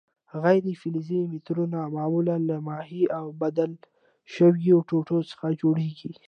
غیر فلزي مترونه معمولاً له محې او بدل شویو ټوټو څخه جوړیږي.